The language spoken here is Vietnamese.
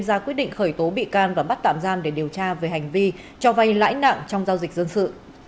ra quyết định khởi tố bị can và bắt tạm giam để điều tra về hành vi cho vay lãi nặng trong giao dịch dân sự